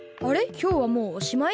きょうはもうおしまい？